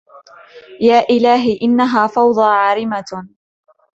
يا إلهي إنها فوضى عارمة